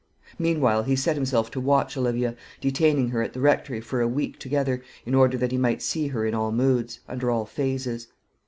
Meanwhile he set himself to watch Olivia, detaining her at the Rectory for a week together, in order that he might see her in all moods, under all phases.